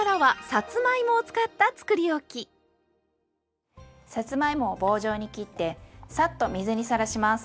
さつまいもは棒状に切ってサッと水にさらします。